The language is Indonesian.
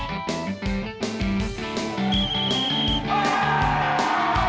untuk terus memberikan humanitas